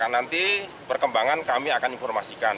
nanti perkembangan kami akan informasikan